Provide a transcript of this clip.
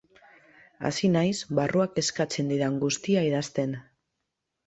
Hasi naiz barruak eskatzen didan guztia idazten.